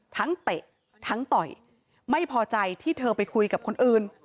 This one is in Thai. เตะทั้งต่อยไม่พอใจที่เธอไปคุยกับคนอื่น